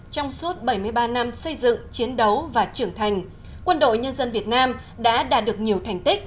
trong suốt bảy mươi ba năm xây dựng chiến đấu và trưởng thành quân đội nhân dân việt nam đã đạt được nhiều thành tích